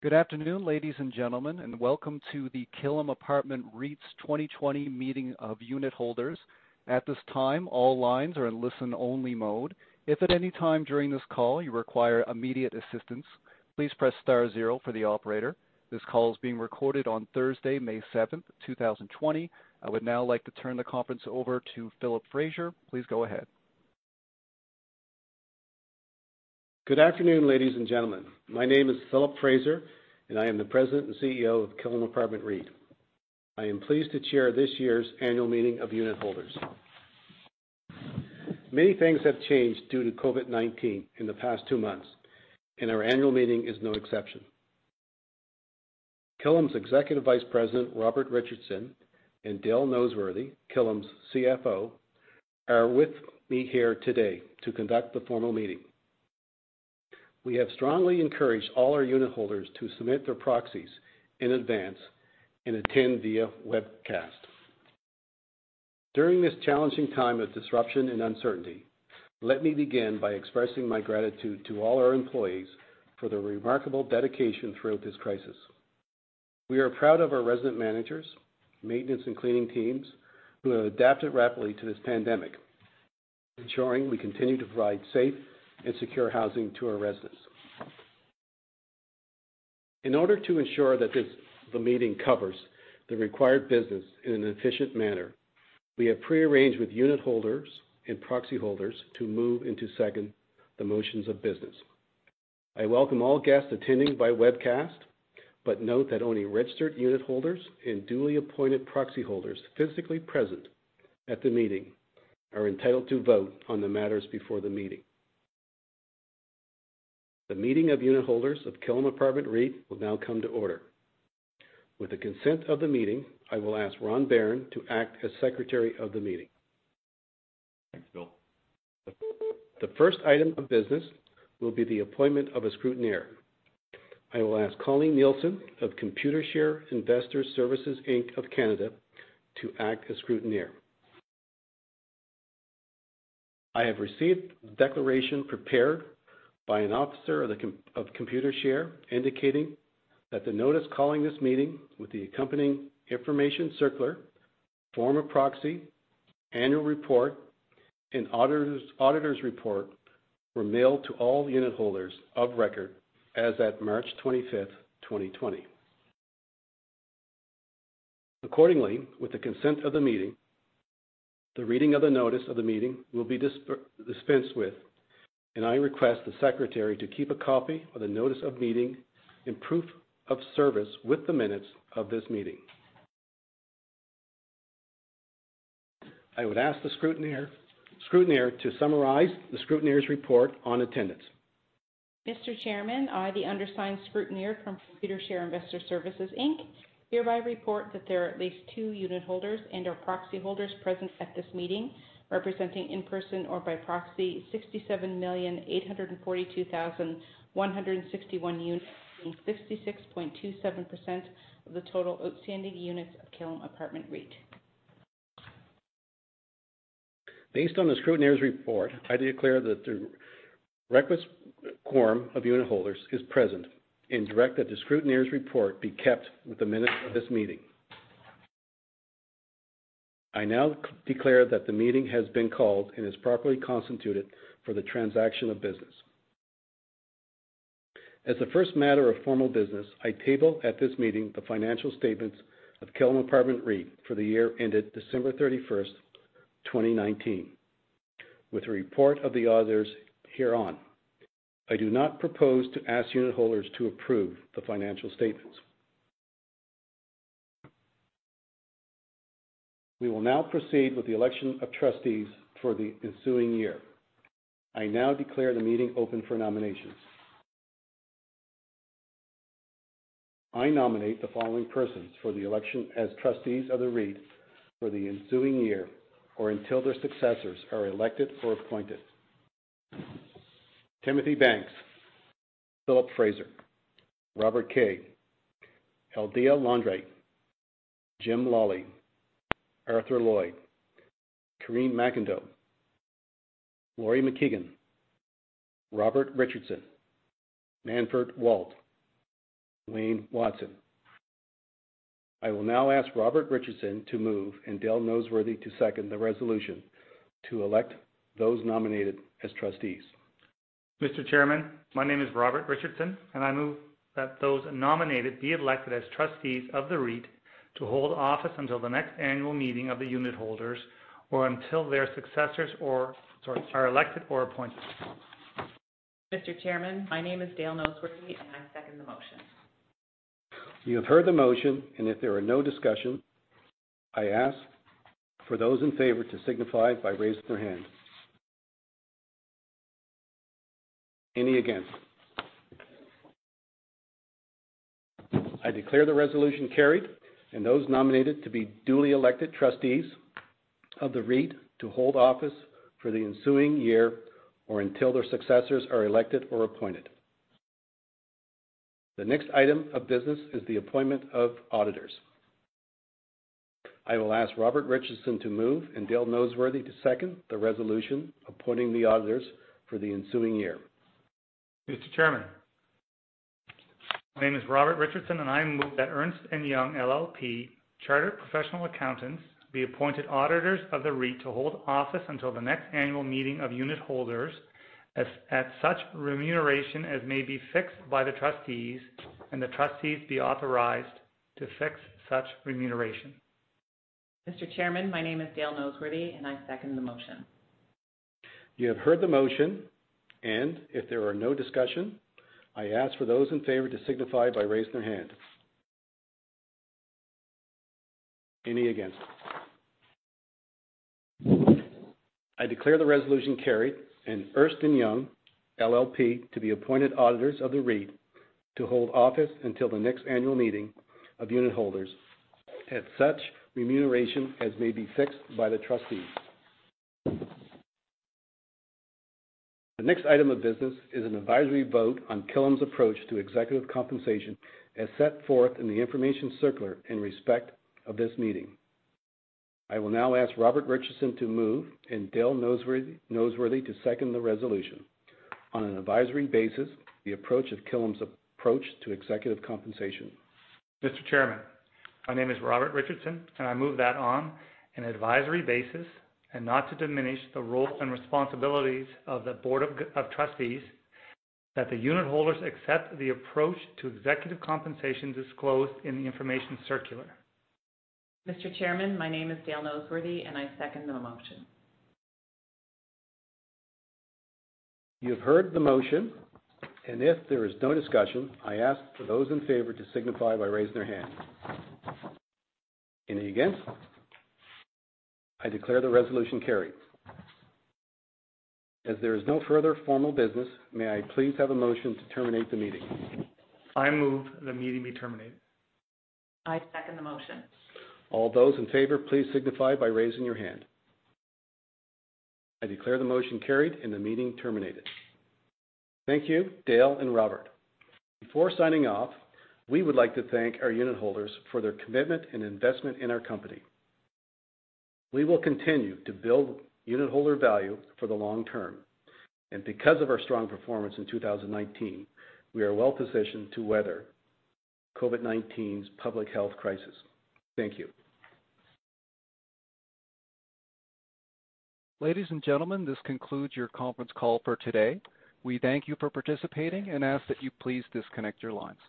Good afternoon, ladies and gentlemen, and welcome to the Killam Apartment REIT's 2020 meeting of unitholders. At this time, all lines are in listen-only mode. If at any time during this call you require immediate assistance, please press star zero for the operator. This call is being recorded on Thursday, May 7th, 2020. I would now like to turn the conference over to Philip Fraser. Please go ahead. Good afternoon, ladies and gentlemen. My name is Philip Fraser, and I am the President and CEO of Killam Apartment REIT. I am pleased to chair this year's annual meeting of unitholders. Many things have changed due to COVID-19 in the past two months, and our annual meeting is no exception. Killam's Executive Vice President, Robert Richardson, and Dale Noseworthy, Killam's CFO, are with me here today to conduct the formal meeting. We have strongly encouraged all our unitholders to submit their proxies in advance and attend via webcast. During this challenging time of disruption and uncertainty, let me begin by expressing my gratitude to all our employees for their remarkable dedication throughout this crisis. We are proud of our resident managers, maintenance, and cleaning teams who have adapted rapidly to this pandemic, ensuring we continue to provide safe and secure housing to our residents. In order to ensure that the meeting covers the required business in an efficient manner, we have prearranged with unitholders and proxy holders to move and to second the motions of business. I welcome all guests attending by webcast but note that only registered unitholders and duly appointed proxy holders physically present at the meeting are entitled to vote on the matters before the meeting. The meeting of unitholders of Killam Apartment REIT will now come to order. With the consent of the meeting, I will ask Ron Barron to act as secretary of the meeting. Thanks, Phil. The first item of business will be the appointment of a scrutineer. I will ask Colleen Nielsen of Computershare Investor Services Inc of Canada to act as scrutineer. I have received the declaration prepared by an officer of Computershare, indicating that the notice calling this meeting with the accompanying information circular, form of proxy, annual report, and auditor's report were mailed to all unitholders of record as at March 25th, 2020. Accordingly, with the consent of the meeting, the reading of the notice of the meeting will be dispensed with, and I request the secretary to keep a copy of the notice of meeting and proof of service with the minutes of this meeting. I would ask the scrutineer to summarize the scrutineer's report on attendance. Mr. Chairman, I, the undersigned scrutineer from Computershare Investor Services Inc, hereby report that there are at least two unitholders and/or proxyholders present at this meeting, representing in person or by proxy 67,842,161 units, being 66.27% of the total outstanding units of Killam Apartment REIT. Based on the scrutineer's report, I declare that the requisite quorum of unitholders is present and direct that the scrutineer's report be kept with the minutes of this meeting. I now declare that the meeting has been called and is properly constituted for the transaction of business. As the first matter of formal business, I table at this meeting the financial statements of Killam Apartment REIT for the year ended December 31st, 2019, with a report of the auditors thereon. I do not propose to ask unitholders to approve the financial statements. We will now proceed with the election of trustees for the ensuing year. I now declare the meeting open for nominations. I nominate the following persons for the election as trustees of the REIT for the ensuing year or until their successors are elected or appointed: Timothy Banks, Philip Fraser, Robert Kay, Aldéa Landry, Jim Lawley, Arthur Lloyd, Karine MacIndoe, Laurie MacKeigan, Robert Richardson, Manfred Walt, Wayne Watson. I will now ask Robert Richardson to move, and Dale Noseworthy to second the resolution to elect those nominated as trustees. Mr. Chairman, my name is Robert Richardson, and I move that those nominated be elected as trustees of the REIT to hold office until the next annual meeting of the unitholders or until their successors are elected or appointed. Mr. Chairman, my name is Dale Noseworthy, and I second the motion. You have heard the motion, and if there are no discussions, I ask for those in favor to signify by raising their hands. Any against? I declare the resolution carried and those nominated to be duly elected trustees of the REIT to hold office for the ensuing year or until their successors are elected or appointed. The next item of business is the appointment of auditors. I will ask Robert Richardson to move and Dale Noseworthy to second the resolution appointing the auditors for the ensuing year. Mr. Chairman, my name is Robert Richardson, and I move that Ernst & Young LLP, chartered professional accountants, be appointed auditors of the REIT to hold office until the next annual meeting of unitholders at such remuneration as may be fixed by the trustees, and the trustees be authorized to fix such remuneration. Mr. Chairman, my name is Dale Noseworthy, and I second the motion. You have heard the motion, and if there are no discussion, I ask for those in favor to signify by raising their hand. Any against? I declare the resolution carried and Ernst & Young LLP to be appointed auditors of the REIT to hold office until the next annual meeting of unitholders at such remuneration as may be fixed by the trustees. The next item of business is an advisory vote on Killam's approach to executive compensation as set forth in the information circular in respect of this meeting. I will now ask Robert Richardson to move and Dale Noseworthy to second the resolution on an advisory basis, the approach of Killam's approach to executive compensation. Mr. Chairman, my name is Robert Richardson, and I move that on an advisory basis and not to diminish the roles and responsibilities of the board of trustees, that the unitholders accept the approach to executive compensation disclosed in the information circular. Mr. Chairman, my name is Dale Noseworthy, and I second the motion. You have heard the motion, and if there is no discussion, I ask for those in favor to signify by raising their hand. Any against? I declare the resolution carried. As there is no further formal business, may I please have a motion to terminate the meeting? I move the meeting be terminated. I second the motion. All those in favor, please signify by raising your hand. I declare the motion carried and the meeting terminated. Thank you, Dale and Robert. Before signing off, we would like to thank our unitholders for their commitment and investment in our company. We will continue to build unitholder value for the long term. Because of our strong performance in 2019, we are well-positioned to weather COVID-19's public health crisis. Thank you. Ladies and gentlemen, this concludes your conference call for today. We thank you for participating and ask that you please disconnect your lines.